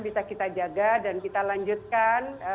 bisa kita jaga dan kita lanjutkan